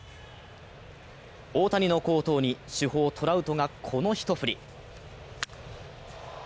大谷の好投に主砲トラウトがこの一振り。